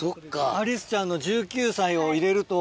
愛梨朱ちゃんの１９歳を入れると。